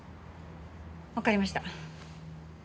わかりました。